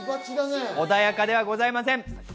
穏やかではございません。